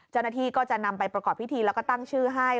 เจ้าหน้าที่ก็จะนำไปประกอบพิธีแล้วก็ตั้งชื่อให้